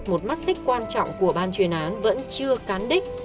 một mắt xích quan trọng của ban chuyên án vẫn chưa cán đích